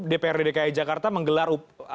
dprd dki jakarta menggelar